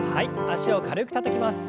脚を軽くたたきます。